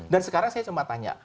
dan sekarang saya cuma tanya